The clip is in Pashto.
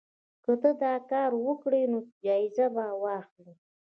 که ته دا کار وکړې نو جایزه به واخلې.